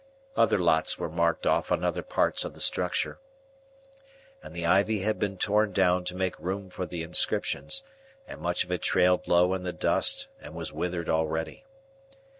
Other lots were marked off on other parts of the structure, and the ivy had been torn down to make room for the inscriptions, and much of it trailed low in the dust and was withered already.